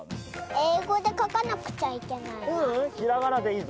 英語で書かなくちゃいけないの？